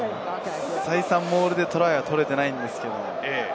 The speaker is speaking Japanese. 再三モールでトライは取れていないんですけれど。